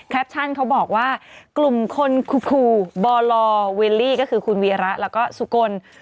เขาบอกว่ากลุ่มคนคูบอลอวิลลี่ก็คือคุณวีระแล้วก็สุกล